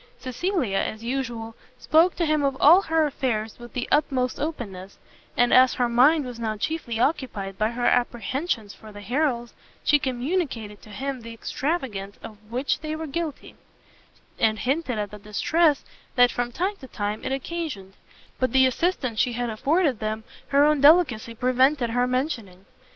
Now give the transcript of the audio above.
Cecilia, as usual, spoke to him of all her affairs with the utmost openness; and as her mind was now chiefly occupied by her apprehensions for the Harrels, she communicated to him the extravagance of which they were guilty, and hinted at the distress that from time to time it occasioned; but the assistance she had afforded them her own delicacy prevented her mentioning.